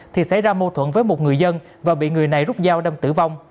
thì xảy ra mâu thuẫn với một người dân và bị người này rút dao đâm tử vong